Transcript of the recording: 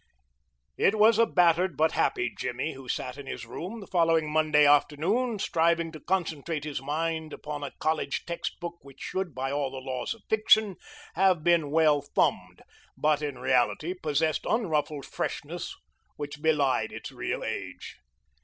It was a battered but happy Jimmy who sat in his room the following Monday afternoon, striving to concentrate his mind upon a college text book which should, by all the laws of fiction, have been 'well thumbed,' but in reality, possessed unruffled freshness which belied its real age.